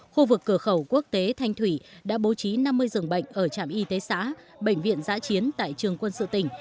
khu vực cửa khẩu quốc tế thanh thủy đã bố trí năm mươi giường bệnh ở trạm y tế xã bệnh viện giã chiến tại trường quân sự tỉnh